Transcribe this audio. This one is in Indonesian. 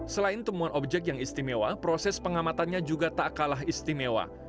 selain temuan objek yang istimewa proses pengamatannya juga tak kalah istimewa